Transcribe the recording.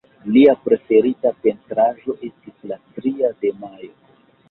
Lia preferita pentraĵo estis La tria de majo.